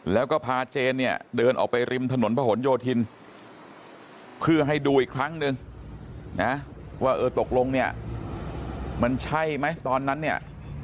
แล้วก็พาเจนเนี่ยเดินออกไปริมถนนพระหลโยธินเพื่อให้ดูอีกครั้งนึงนะว่าเออตกลงเนี่ยมันใช่ไหมตอนนั้นเนี่ย